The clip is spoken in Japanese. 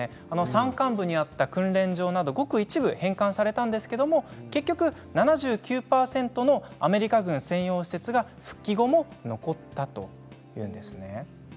山間部にあった訓練場などごく一部、返還されたんですけど結局７９％のアメリカ軍専用施設が復帰後も残ったというんですね。